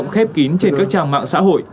khi khách mua dâm